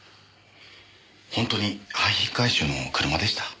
本当に廃品回収の車でした？